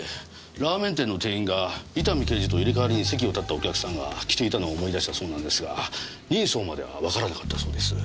ラーメン店の店員が伊丹刑事と入れ代わりに席を立ったお客さんが着ていたのを思い出したそうなんですが人相まではわからなかったそうです。